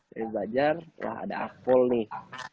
dari belajar wah ada akpol nih